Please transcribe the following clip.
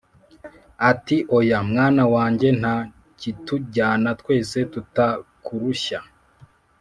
ati “Oya mwana wanjye, nta kitujyana twese tutakurushya.